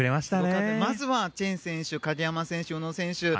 まずはチェン選手鍵山選手、宇野選手。